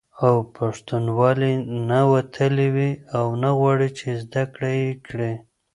او پښتنوالي نه وتلي وي او نه غواړي، چې زده یې کړي